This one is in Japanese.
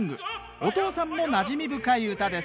お父さんもなじみ深い歌です